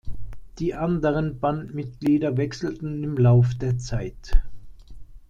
Die anderen Bandmitglieder wechselten im Lauf der Zeit.